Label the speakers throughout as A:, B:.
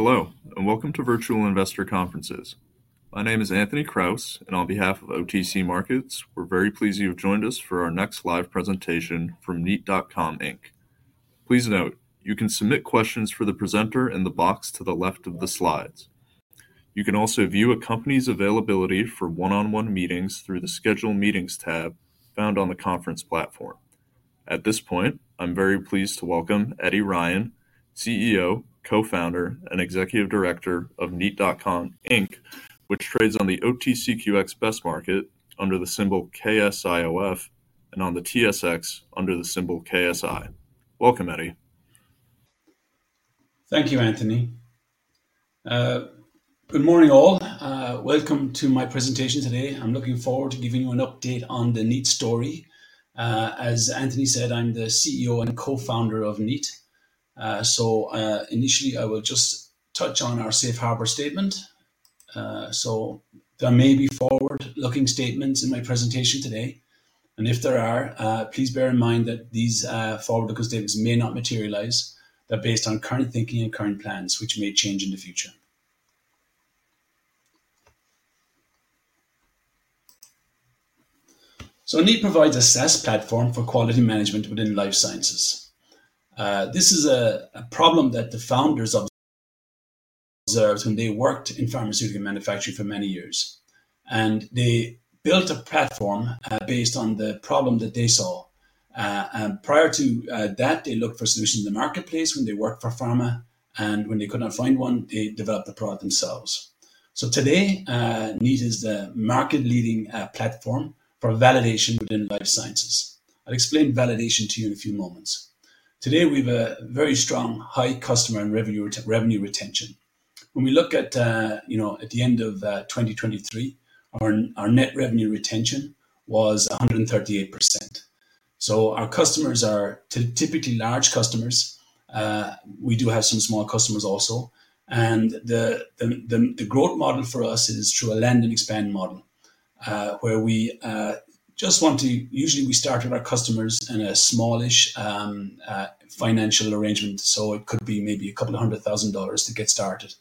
A: Hello, and welcome to Virtual Investor Conferences. My name is Anthony Kraus, and on behalf of OTC Markets, we're very pleased you've joined us for our next live presentation from Kneat.com, Inc. Please note, you can submit questions for the presenter in the box to the left of the slides. You can also view a company's availability for one-on-one meetings through the Schedule Meetings tab found on the conference platform. At this point, I'm very pleased to welcome Eddie Ryan, CEO, co-founder, and executive director of Kneat.com, Inc., which trades on the OTCQX Best Market under the symbol KSIOF and on the TSX under the symbol KSI. Welcome, Eddie.
B: Thank you, Anthony. Good morning, all. Welcome to my presentation today. I'm looking forward to giving you an update on the Kneat story. As Anthony said, I'm the CEO and co-founder of Kneat. Initially, I will just touch on our safe harbor statement. There may be forward-looking statements in my presentation today. And if there are, please bear in mind that these forward-looking statements may not materialize. They're based on current thinking and current plans, which may change in the future. Kneat provides a SaaS platform for quality management within life sciences. This is a problem that the founders observed when they worked in pharmaceutical manufacturing for many years. They built a platform based on the problem that they saw. Prior to that, they looked for solutions in the marketplace when they worked for pharma. And when they could not find one, they developed the product themselves. So today, Kneat is the market-leading platform for validation within life sciences. I'll explain validation to you in a few moments. Today, we have a very strong high customer and revenue retention. When we look at the end of 2023, our net revenue retention was 138%. So our customers are typically large customers. We do have some small customers also. And the growth model for us is through a land and expand model, where we just want to usually we start with our customers in a smallish financial arrangement. So it could be maybe 200,000 dollars to get started.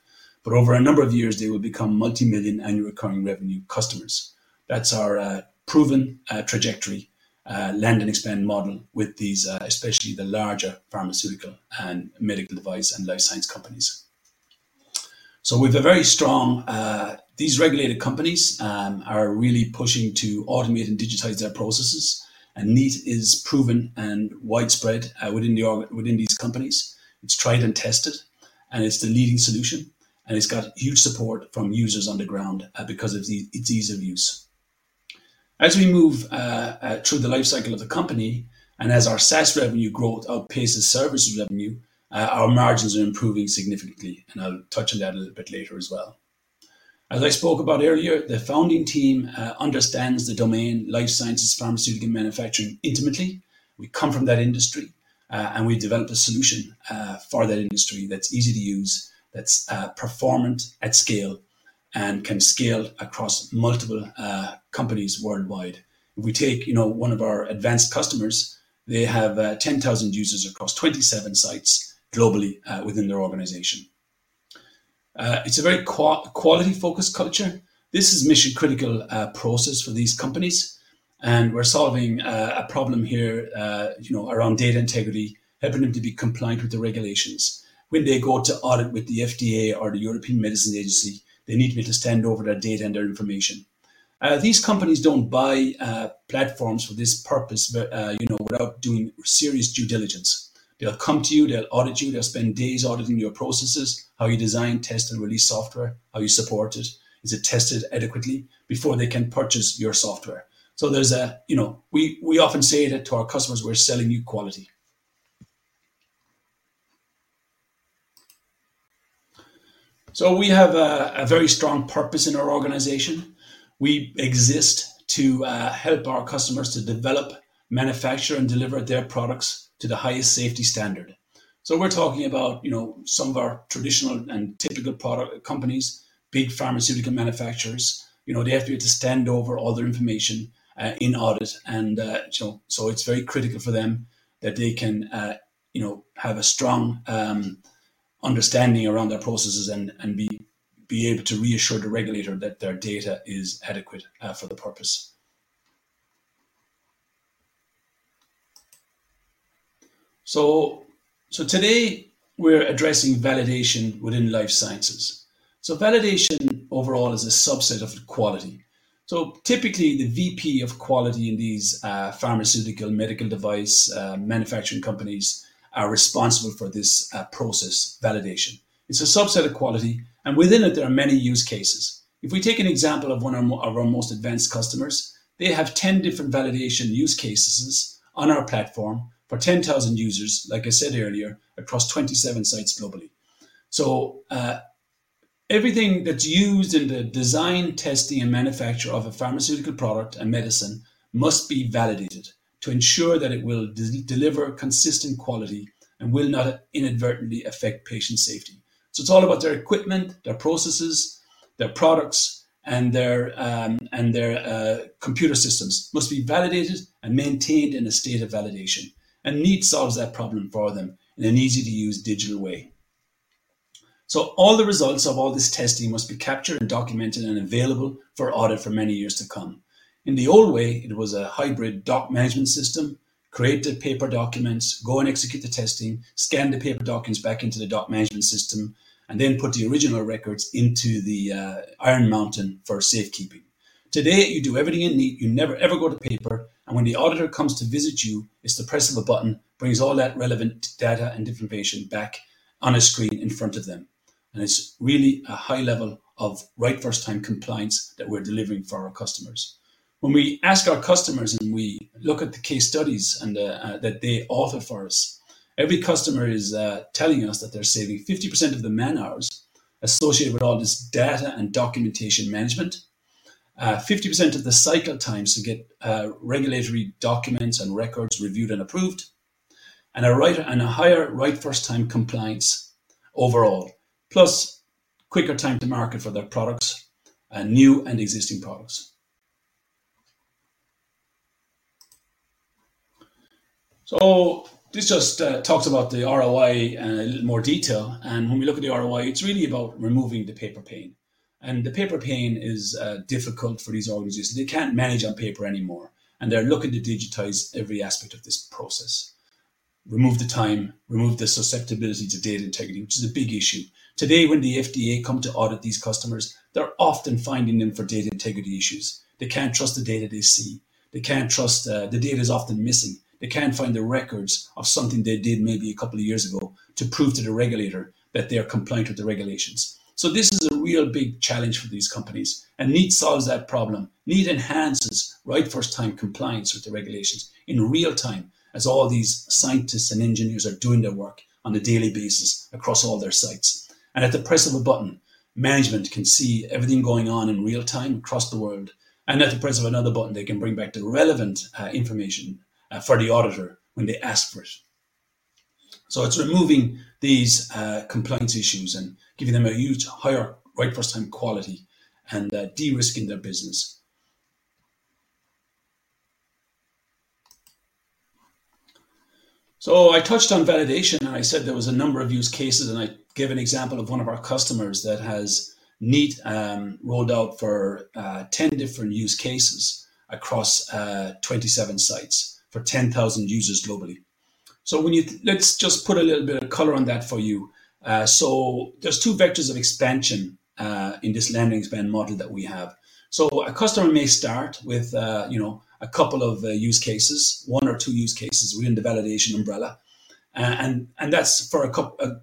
B: But over a number of years, they will become multi-million CAD annual recurring revenue customers. That's our proven trajectory, land and expand model with these, especially the larger pharmaceutical and medical device and life science companies. So we have a very strong thesis these regulated companies are really pushing to automate and digitize their processes. Kneat is proven and widespread within these companies. It's tried and tested. It's the leading solution. It's got huge support from users on the ground because of its ease of use. As we move through the life cycle of the company, and as our SaaS revenue growth outpaces services revenue, our margins are improving significantly. I'll touch on that a little bit later as well. As I spoke about earlier, the founding team understands the domain life sciences, pharmaceutical, and manufacturing intimately. We come from that industry. We developed a solution for that industry that's easy to use, that's performant at scale, and can scale across multiple companies worldwide. If we take one of our advanced customers, they have 10,000 users across 27 sites globally within their organization. It's a very quality-focused culture. This is a mission-critical process for these companies. We're solving a problem here around data integrity, helping them to be compliant with the regulations. When they go to audit with the FDA or the European Medicines Agency, they need me to stand over their data and their information. These companies don't buy platforms for this purpose without doing serious due diligence. They'll come to you. They'll audit you. They'll spend days auditing your processes, how you design, test, and release software, how you support it, is it tested adequately before they can purchase your software. We often say that to our customers, we're selling you quality. We have a very strong purpose in our organization. We exist to help our customers to develop, manufacture, and deliver their products to the highest safety standard. So we're talking about some of our traditional and typical product companies, big pharmaceutical manufacturers. They have to be able to stand over all their information in audit. And so it's very critical for them that they can have a strong understanding around their processes and be able to reassure the regulator that their data is adequate for the purpose. So today, we're addressing validation within life sciences. So validation overall is a subset of quality. So typically, the VP of quality in these pharmaceutical, medical device manufacturing companies are responsible for this process validation. It's a subset of quality. And within it, there are many use cases. If we take an example of one of our most advanced customers, they have 10 different validation use cases on our platform for 10,000 users, like I said earlier, across 27 sites globally. So everything that's used in the design, testing, and manufacture of a pharmaceutical product and medicine must be validated to ensure that it will deliver consistent quality and will not inadvertently affect patient safety. So it's all about their equipment, their processes, their products, and their computer systems must be validated and maintained in a state of validation. And Kneat solves that problem for them in an easy-to-use digital way. So all the results of all this testing must be captured and documented and available for audit for many years to come. In the old way, it was a hybrid doc management system. Create the paper documents, go and execute the testing, scan the paper documents back into the doc management system, and then put the original records into Iron Mountain for safekeeping. Today, you do everything in Kneat. You never, ever go to paper. And when the auditor comes to visit you, it's the press of a button that brings all that relevant data and information back on a screen in front of them. And it's really a high level of right-first-time compliance that we're delivering for our customers. When we ask our customers and we look at the case studies that they author for us, every customer is telling us that they're saving 50% of the man-hours associated with all this data and documentation management, 50% of the cycle time to get regulatory documents and records reviewed and approved, and a higher right-first-time compliance overall, plus quicker time to market for their products, new and existing products. So this just talks about the ROI in a little more detail. When we look at the ROI, it's really about removing the paper pain. The paper pain is difficult for these organizations. They can't manage on paper anymore. They're looking to digitize every aspect of this process, remove the time, remove the susceptibility to data integrity, which is a big issue. Today, when the FDA comes to audit these customers, they're often finding them for data integrity issues. They can't trust the data they see. They can't trust the data is often missing. They can't find the records of something they did maybe a couple of years ago to prove to the regulator that they are compliant with the regulations. This is a real big challenge for these companies. Kneat solves that problem. Kneat enhances right-first-time compliance with the regulations in real time as all these scientists and engineers are doing their work on a daily basis across all their sites. At the press of a button, management can see everything going on in real time across the world. At the press of another button, they can bring back the relevant information for the auditor when they ask for it. So it's removing these compliance issues and giving them a huge higher right-first-time quality and de-risking their business. So I touched on validation. And I said there was a number of use cases. And I gave an example of one of our customers that has Kneat rolled out for 10 different use cases across 27 sites for 10,000 users globally. So let's just put a little bit of color on that for you. So there's two vectors of expansion in this land and expand model that we have. So a customer may start with a couple of use cases, one or two use cases within the validation umbrella. And that's for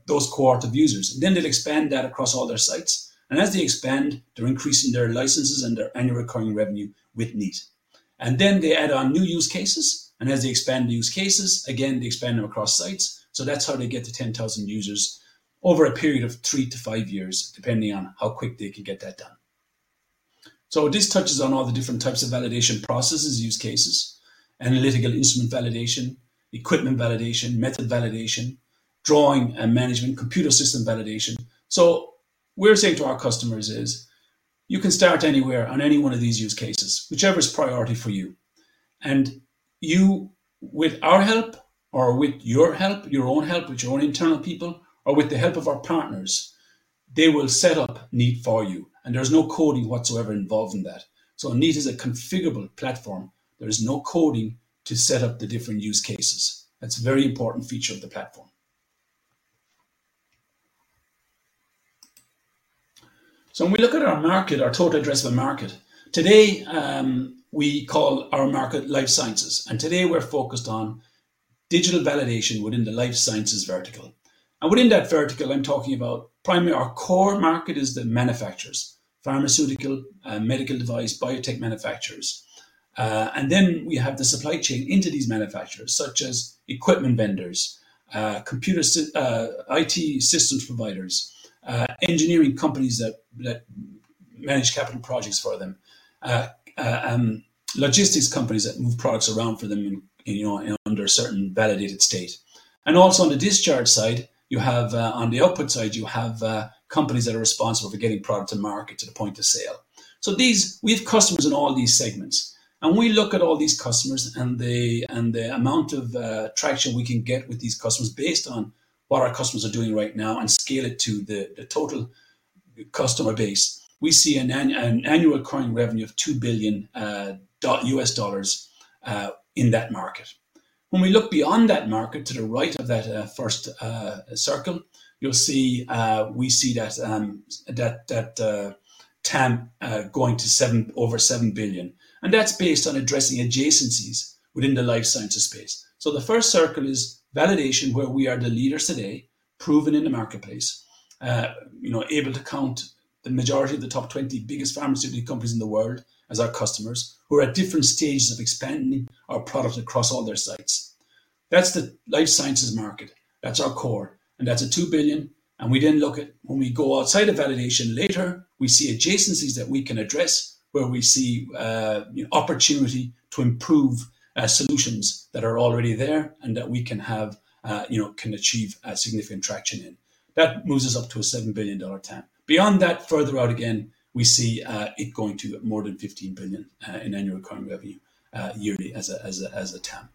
B: those cohort of users. Then they'll expand that across all their sites. And as they expand, they're increasing their licenses and their annual recurring revenue with Kneat. And then they add on new use cases. And as they expand the use cases, again, they expand them across sites. So that's how they get to 10,000 users over a period of three to five years, depending on how quick they can get that done. So this touches on all the different types of validation processes, use cases, analytical instrument validation, equipment validation, method validation, drawing and management, computer system validation. So we're saying to our customers is, you can start anywhere on any one of these use cases, whichever is priority for you. And you, with our help or with your help, your own help with your own internal people, or with the help of our partners, they will set up Kneat for you. And there's no coding whatsoever involved in that. So Kneat is a configurable platform. There is no coding to set up the different use cases. That's a very important feature of the platform. So when we look at our market, our total addressable market, today, we call our market life sciences. And today, we're focused on digital validation within the life sciences vertical. And within that vertical, I'm talking about primarily our core market is the manufacturers, pharmaceutical, medical device, biotech manufacturers. And then we have the supply chain into these manufacturers, such as equipment vendors, IT systems providers, engineering companies that manage capital projects for them, logistics companies that move products around for them under a certain validated state. And also on the discharge side, on the output side, you have companies that are responsible for getting product to market to the point of sale. So we have customers in all these segments. We look at all these customers and the amount of traction we can get with these customers based on what our customers are doing right now and scale it to the total customer base, we see an annual recurring revenue of $2 billion in that market. When we look beyond that market to the right of that first circle, we see that TAM going to over $7 billion. And that's based on addressing adjacencies within the life sciences space. So the first circle is validation where we are the leaders today, proven in the marketplace, able to count the majority of the top 20 biggest pharmaceutical companies in the world as our customers who are at different stages of expanding our product across all their sites. That's the life sciences market. That's our core. That's a $2 billion. We then look at when we go outside of validation later, we see adjacencies that we can address where we see opportunity to improve solutions that are already there and that we can achieve significant traction in. That moves us up to a $7 billion TAM. Beyond that, further out again, we see it going to more than $15 billion in annual recurring revenue yearly as a TAM.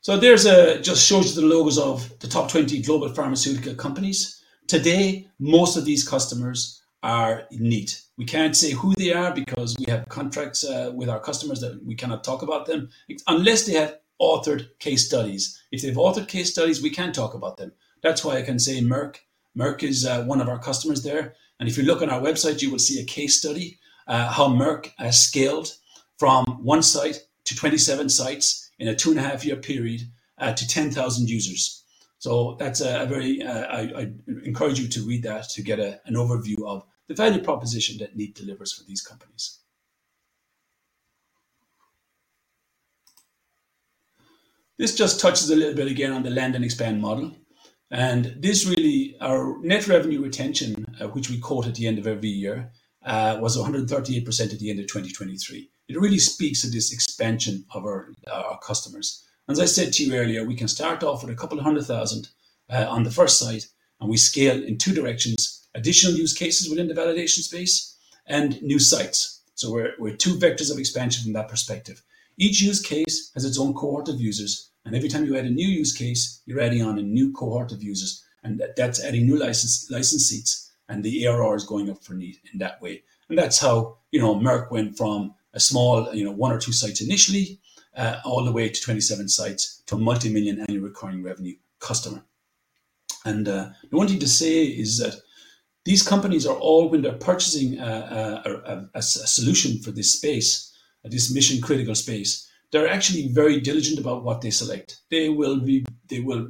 B: So there it just shows you the logos of the top 20 global pharmaceutical companies. Today, most of these are Kneat customers. We can't say who they are because we have contracts with our customers that we cannot talk about them unless they have authored case studies. If they've authored case studies, we can talk about them. That's why I can say Merck. Merck is one of our customers there. If you look on our website, you will see a case study how Merck has scaled from one site to 27 sites in a 2.5-year period to 10,000 users. I encourage you to read that to get an overview of the value proposition that Kneat delivers for these companies. This just touches a little bit again on the land and expand model. Our net revenue retention, which we quote at the end of every year, was 138% at the end of 2023. It really speaks to this expansion of our customers. As I said to you earlier, we can start off with 200,000 on the first site. We scale in 2 directions, additional use cases within the validation space and new sites. We're 2 vectors of expansion from that perspective. Each use case has its own cohort of users. And every time you add a new use case, you're adding on a new cohort of users. And that's adding new license seats. And the ARR is going up for Kneat in that way. And that's how Merck went from a small one or two sites initially all the way to 27 sites to a multi-million CAD annual recurring revenue customer. And the one thing to say is that these companies are all, when they're purchasing a solution for this space, this mission-critical space, they're actually very diligent about what they select. They will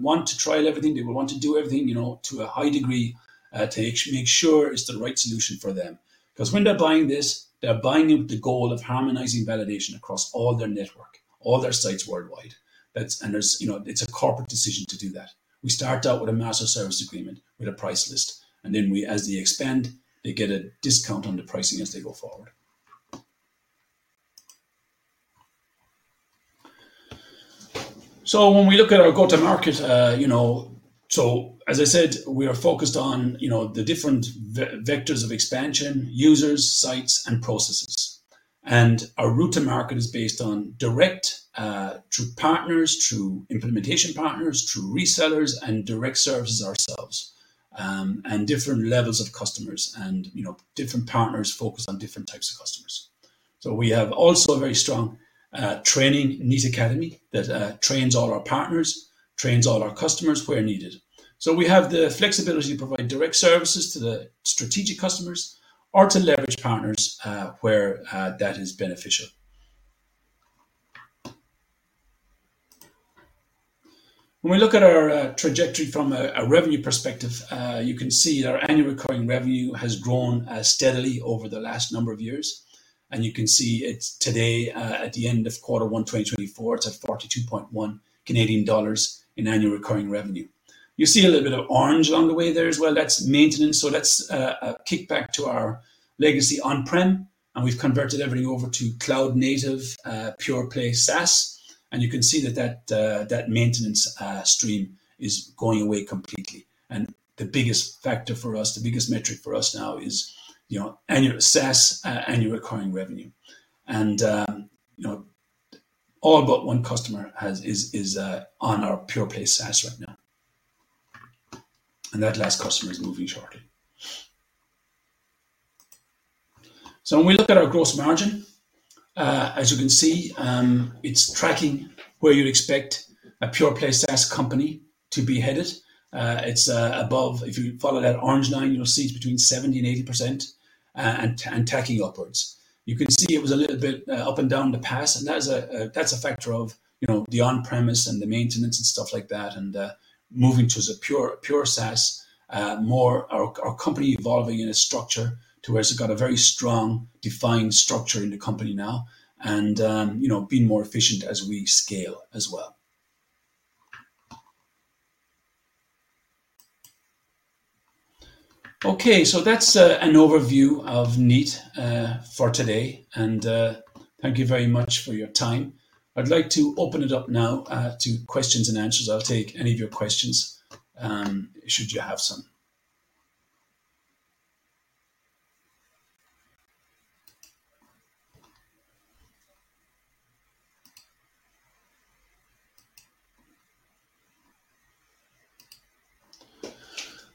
B: want to trial everything. They will want to do everything to a high degree to make sure it's the right solution for them. Because when they're buying this, they're buying with the goal of harmonizing validation across all their network, all their sites worldwide. And it's a corporate decision to do that. We start out with a master service agreement with a price list. Then as they expand, they get a discount on the pricing as they go forward. When we look at our go-to-market, so as I said, we are focused on the different vectors of expansion, users, sites, and processes. Our route to market is based on direct to partners, to implementation partners, to resellers, and direct services ourselves and different levels of customers and different partners focused on different types of customers. We have also a very strong training in Kneat Academy that trains all our partners, trains all our customers where needed. We have the flexibility to provide direct services to the strategic customers or to leverage partners where that is beneficial. When we look at our trajectory from a revenue perspective, you can see our annual recurring revenue has grown steadily over the last number of years. You can see today, at the end of quarter one 2024, it's at 42.1 Canadian dollars in annual recurring revenue. You see a little bit of orange along the way there as well. That's maintenance. Let's kick back to our legacy on-prem. We've converted everything over to cloud-native pure-play SaaS. You can see that that maintenance stream is going away completely. The biggest factor for us, the biggest metric for us now is annual SaaS annual recurring revenue. All but one customer is on our pure-play SaaS right now. That last customer is moving shortly. So when we look at our gross margin, as you can see, it's tracking where you'd expect a pure-play SaaS company to be headed. It's above; if you follow that orange line, you'll see it's between 70%-80% and tracking upwards. You can see it was a little bit up and down in the past. That's a factor of the on-premise and the maintenance and stuff like that and moving to the pure SaaS, more our company evolving in a structure to where it's got a very strong defined structure in the company now and being more efficient as we scale as well. Okay. That's an overview of Kneat for today. Thank you very much for your time. I'd like to open it up now to questions and answers. I'll take any of your questions should you have some.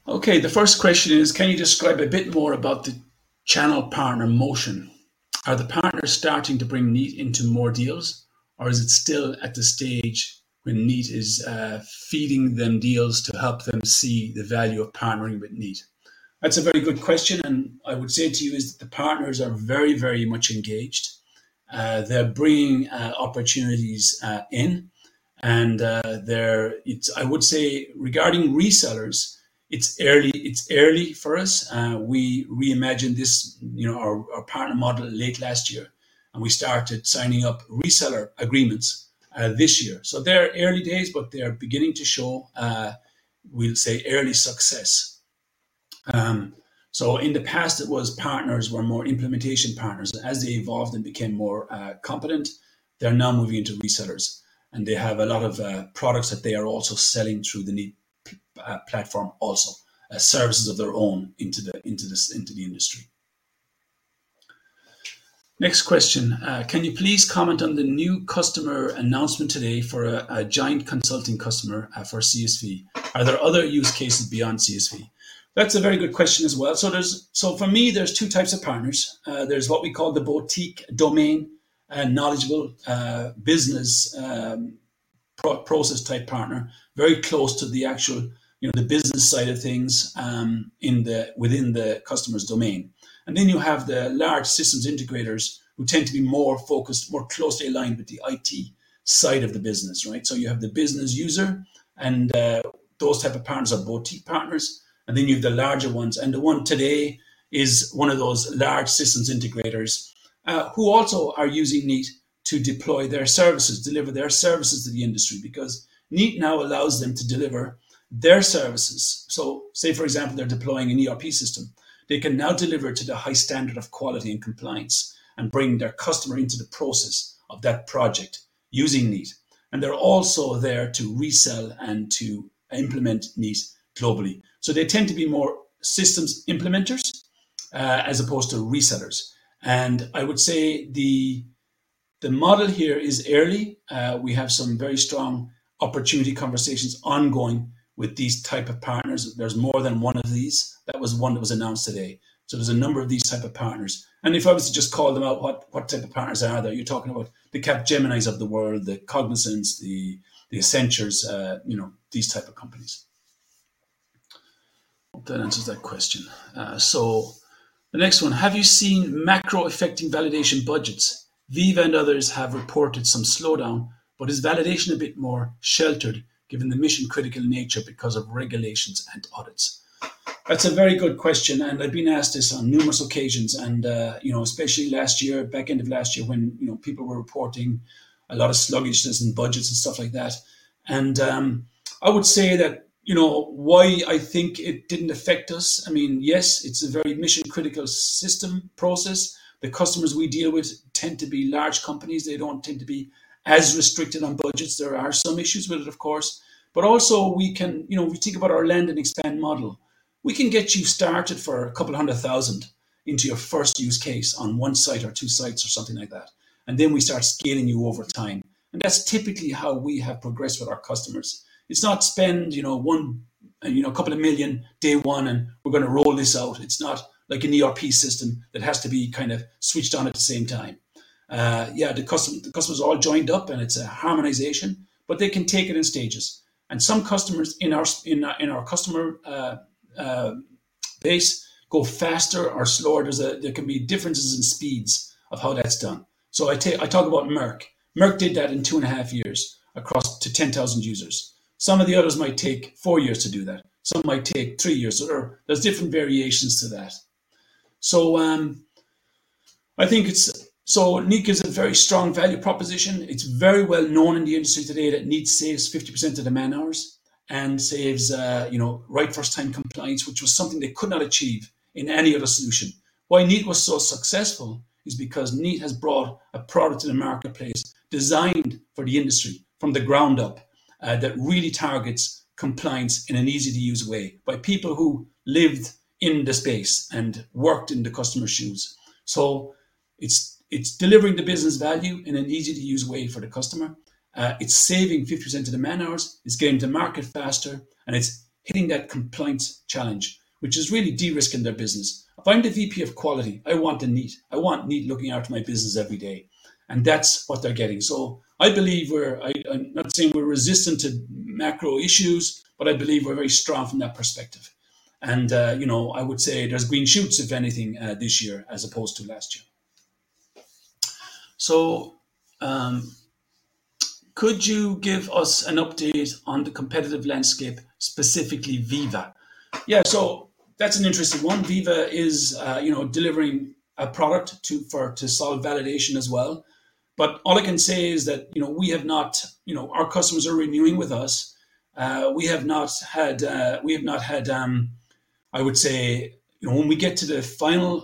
B: Okay. The first question is, can you describe a bit more about the channel partner motion? Are the partners starting to bring Kneat into more deals, or is it still at the stage when Kneat is feeding them deals to help them see the value of partnering with Kneat? That's a very good question. I would say to you is that the partners are very, very much engaged. They're bringing opportunities in. I would say regarding resellers, it's early for us. We reimagined our partner model late last year. We started signing up reseller agreements this year. So they're early days, but they're beginning to show, we'll say, early success. So in the past, it was partners were more implementation partners. As they evolved and became more competent, they're now moving into resellers. They have a lot of products that they are also selling through the Kneat platform also, services of their own into the industry. Next question. Can you please comment on the new customer announcement today for a giant consulting customer for CSV? Are there other use cases beyond CSV? That's a very good question as well. So for me, there's two types of partners. There's what we call the boutique domain knowledgeable business process type partner, very close to the actual business side of things within the customer's domain. And then you have the large systems integrators who tend to be more focused, more closely aligned with the IT side of the business, right? So you have the business user. And those type of partners are boutique partners. And then you have the larger ones. The one today is one of those large systems integrators who also are using Kneat to deploy their services, deliver their services to the industry because Kneat now allows them to deliver their services. So, say, for example, they're deploying an ERP system. They can now deliver to the high standard of quality and compliance and bring their customer into the process of that project using Kneat. And they're also there to resell and to implement Kneat globally. So they tend to be more systems implementers as opposed to resellers. And I would say the model here is early. We have some very strong opportunity conversations ongoing with these type of partners. There's more than one of these. That was one that was announced today. So there's a number of these type of partners. And if I was to just call them out, what type of partners are there? You're talking about the Capgeminis of the world, the Cognizants, the Accentures, these type of companies. Hope that answers that question. So the next one, have you seen macro affecting validation budgets? Veeva and others have reported some slowdown. But is validation a bit more sheltered given the mission-critical nature because of regulations and audits? That's a very good question. I've been asked this on numerous occasions, especially last year, back end of last year when people were reporting a lot of sluggishness in budgets and stuff like that. I would say that why I think it didn't affect us. I mean, yes, it's a very mission-critical system process. The customers we deal with tend to be large companies. They don't tend to be as restricted on budgets. There are some issues with it, of course. But also, we think about our land and expand model. We can get you started for 200,000 into your first use case on one site or two sites or something like that. Then we start scaling you over time. That's typically how we have progressed with our customers. It's not spend 2 million day one and we're going to roll this out. It's not like an ERP system that has to be kind of switched on at the same time. Yeah, the customers all joined up and it's a harmonization, but they can take it in stages. Some customers in our customer base go faster or slower. There can be differences in speeds of how that's done. So I talk about Merck. Merck did that in two and a half years across to 10,000 users. Some of the others might take four years to do that. Some might take three years. There's different variations to that. So I think it's so Kneat gives a very strong value proposition. It's very well known in the industry today that Kneat saves 50% of the man hours and saves right first-time compliance, which was something they could not achieve in any other solution. Why Kneat was so successful is because Kneat has brought a product to the marketplace designed for the industry from the ground up that really targets compliance in an easy-to-use way by people who lived in the space and worked in the customer's shoes. So it's delivering the business value in an easy-to-use way for the customer. It's saving 50% of the man hours. It's getting to market faster. And it's hitting that compliance challenge, which is really de-risking their business. If I'm the VP of quality, I want the Kneat. I want Kneat looking after my business every day. That's what they're getting. So I believe we're. I'm not saying we're resistant to macro issues, but I believe we're very strong from that perspective. I would say there's green shoots, if anything, this year as opposed to last year. So could you give us an update on the competitive landscape, specifically Veeva? Yeah. So that's an interesting one. Veeva is delivering a product to solve validation as well. But all I can say is that we have not. Our customers are renewing with us. We have not had, I would say, when we get to the final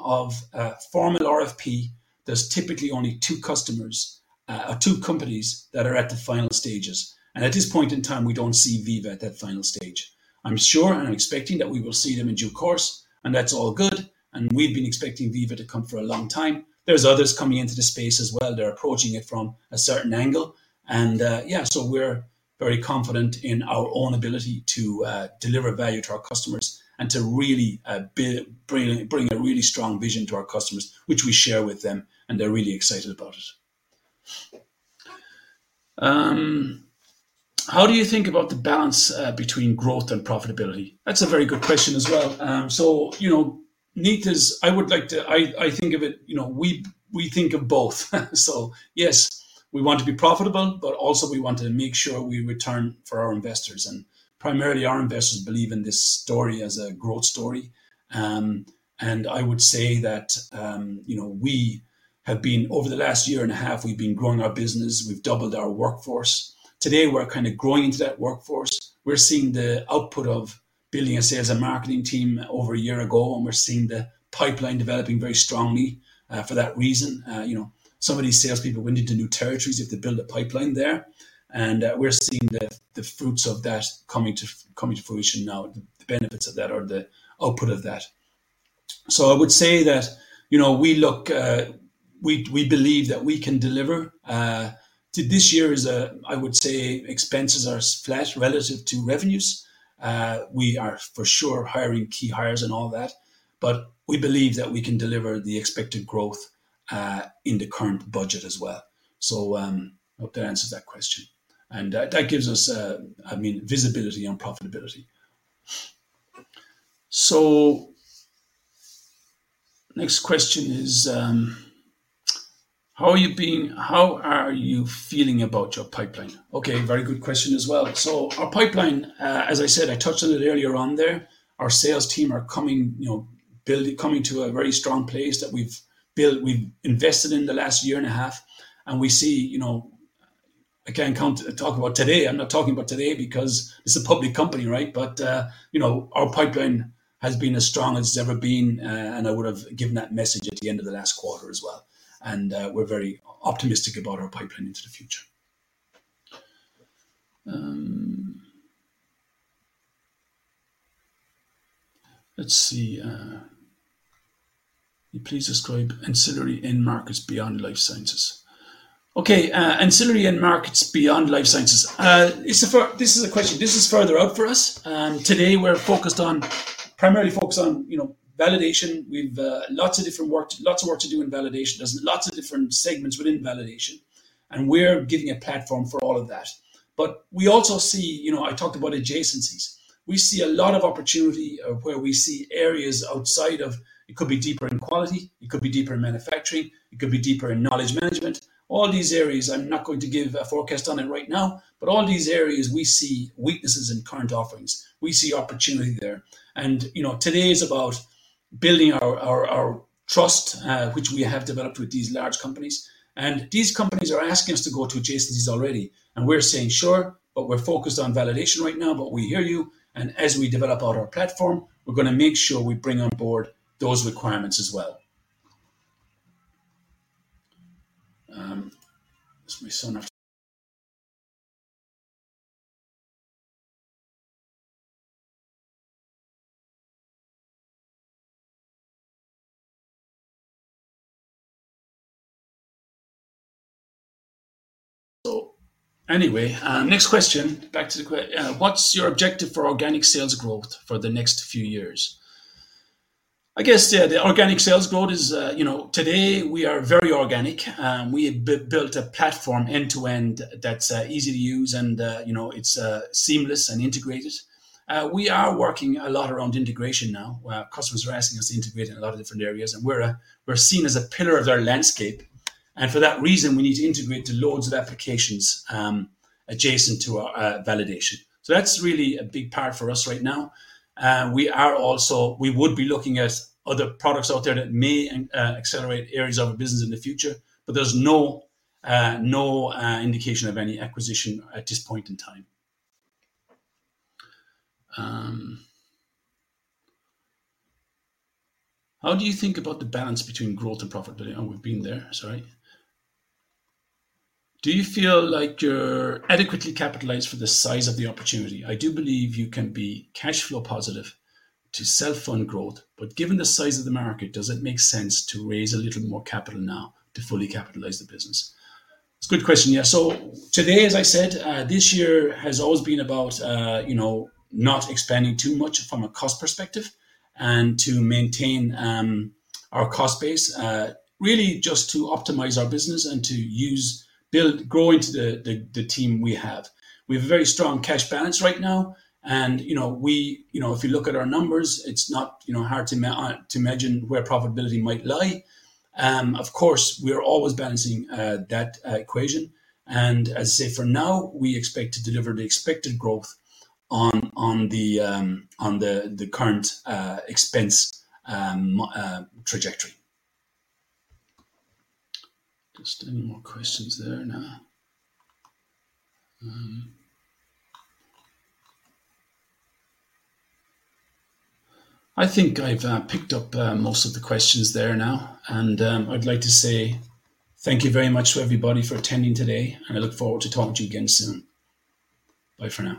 B: formal RFP, there's typically only two customers or two companies that are at the final stages. At this point in time, we don't see Veeva at that final stage. I'm sure and I'm expecting that we will see them in due course. That's all good. We've been expecting Veeva to come for a long time. There's others coming into the space as well. They're approaching it from a certain angle. Yeah, so we're very confident in our own ability to deliver value to our customers and to really bring a really strong vision to our customers, which we share with them. And they're really excited about it. How do you think about the balance between growth and profitability? That's a very good question as well. So Kneat is, we think of both. Yes, we want to be profitable, but also we want to make sure we return for our investors. And primarily, our investors believe in this story as a growth story. I would say that we have been over the last year and a half, we've been growing our business. We've doubled our workforce. Today, we're kind of growing into that workforce. We're seeing the output of building a sales and marketing team over a year ago. And we're seeing the pipeline developing very strongly for that reason. Some of these salespeople went into new territories if they build a pipeline there. And we're seeing the fruits of that coming to fruition now, the benefits of that or the output of that. So I would say that we believe that we can deliver. This year is, I would say, expenses are flat relative to revenues. We are for sure hiring key hires and all that. But we believe that we can deliver the expected growth in the current budget as well. So I hope that answers that question. And that gives us, I mean, visibility on profitability. So next question is, how are you feeling about your pipeline? Okay. Very good question as well. So our pipeline, as I said, I touched on it earlier on there. Our sales team are coming to a very strong place that we've invested in the last year and a half. And we see I can't talk about today. I'm not talking about today because it's a public company, right? But our pipeline has been as strong as it's ever been. And I would have given that message at the end of the last quarter as well. And we're very optimistic about our pipeline into the future. Let's see. Please describe ancillary end markets beyond life sciences. Okay. Ancillary end markets beyond life sciences. This is a question. This is further out for us. Today, we're primarily focused on validation. We have lots of different work, lots of work to do in validation. There's lots of different segments within validation. We're getting a platform for all of that. But we also see—I talked about adjacencies. We see a lot of opportunity where we see areas outside of it could be deeper in quality. It could be deeper in manufacturing. It could be deeper in knowledge management. All these areas, I'm not going to give a forecast on it right now. But all these areas, we see weaknesses in current offerings. We see opportunity there. Today is about building our trust, which we have developed with these large companies. These companies are asking us to go to adjacencies already. And we're saying, "Sure, but we're focused on validation right now, but we hear you." And as we develop out our platform, we're going to make sure we bring on board those requirements as well. So anyway, next question. Back to the question. What's your objective for organic sales growth for the next few years? I guess the organic sales growth is today, we are very organic. We have built a platform end-to-end that's easy to use, and it's seamless and integrated. We are working a lot around integration now. Customers are asking us to integrate in a lot of different areas. And we're seen as a pillar of their landscape. And for that reason, we need to integrate the loads of applications adjacent to validation. So that's really a big part for us right now. We would be looking at other products out there that may accelerate areas of our business in the future. But there's no indication of any acquisition at this point in time. How do you think about the balance between growth and profitability? Oh, we've been there. Sorry. Do you feel like you're adequately capitalized for the size of the opportunity? I do believe you can be cash flow positive to self-fund growth. But given the size of the market, does it make sense to raise a little more capital now to fully capitalize the business? It's a good question. Yeah. So today, as I said, this year has always been about not expanding too much from a cost perspective and to maintain our cost base, really just to optimize our business and to grow into the team we have. We have a very strong cash balance right now. If you look at our numbers, it's not hard to imagine where profitability might lie. Of course, we are always balancing that equation. As I say for now, we expect to deliver the expected growth on the current expense trajectory. Just a few more questions there now. I think I've picked up most of the questions there now. I'd like to say thank you very much to everybody for attending today. I look forward to talking to you again soon. Bye for now.